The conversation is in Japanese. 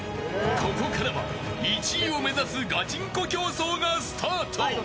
ここから１位を目指すガチンコ競争がスタート。